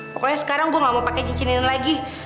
pokoknya sekarang gue gak mau pake cincininan lagi